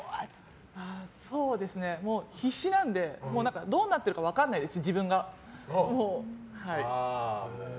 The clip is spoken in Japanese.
そうですね、必死なのでどうなってるか分からないです